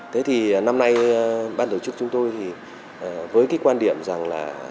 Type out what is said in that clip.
thế thì năm nay bác đối chức chúng tôi thì với cái quan điểm rằng là